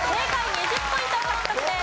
２０ポイント獲得です。